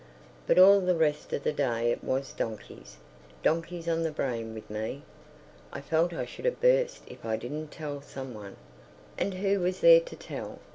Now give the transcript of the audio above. But all the rest of the day it was donkeys—donkeys on the brain with me. I felt I should have burst if I didn't tell some one; and who was there to tell?